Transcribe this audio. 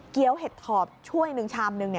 เกี้ยวเห็ดถอบช่วย๑ชามนึง